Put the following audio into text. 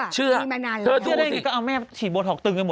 สูงอายุสูงอายุ